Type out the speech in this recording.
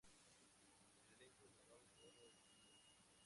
El elenco es grabado todo el día.